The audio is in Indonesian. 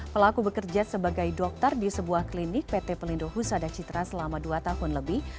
pelaku bekerja sebagai dokter di sebuah klinik pt pelindo husada citra selama dua tahun lebih